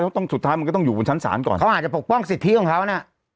เขาต้องสุดท้ายมันก็ต้องอยู่บนชั้นศาลก่อนเขาอาจจะปกป้องสิทธิของเขาน่ะ